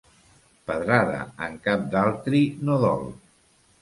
Pedrada en cap d'altri no dol.